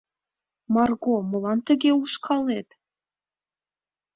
Марго, молан тыге ушкалет?